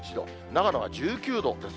長野は１９度です。